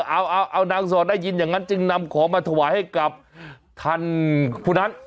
เอานางสอดได้ยินอย่างนั้นจึงนำของมาถวายให้กับท่านผู้นั้น